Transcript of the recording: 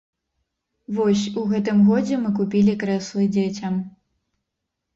Вось, у гэтым годзе мы купілі крэслы дзецям.